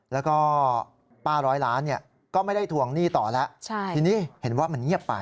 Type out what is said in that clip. แล้วก็ป้าร้อยล้านก็ไม่ได้ทวงหนี้ต่อแล้วทีนี้เห็นว่ามันเงียบไป